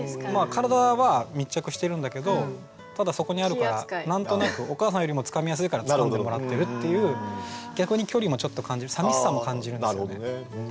体は密着してるんだけどただそこにあるから何となくお母さんよりもつかみやすいからつかんでもらってるっていう逆に距離もちょっと感じるさみしさも感じるんですよね。